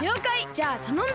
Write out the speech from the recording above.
じゃあたのんだ！